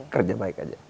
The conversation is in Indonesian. kerja baik aja